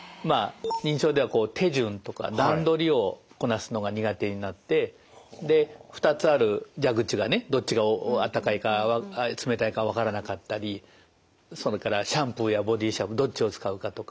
認知症では手順とか段取りをこなすのが苦手になってで２つある蛇口がねどっちがあったかいか冷たいかわからなかったりそれからシャンプーやボディーシャンプーどっちを使うかとか。